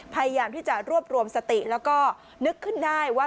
พยายามที่จะรวบรวมสติแล้วก็นึกขึ้นได้ว่า